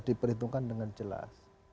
diperhitungkan dengan jelas